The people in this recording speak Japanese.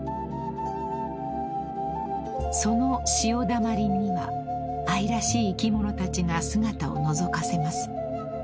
［その潮だまりには愛らしい生き物たちが姿をのぞかせます］